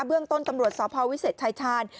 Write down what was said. เรื่องต้นตำรวจสพวิเศษชายชาญ